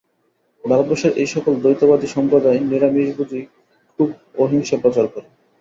ভারতবর্ষের এই-সকল দ্বৈতবাদী সম্প্রদায় নিরামিষভোজী, খুব অহিংসা প্রচার করে।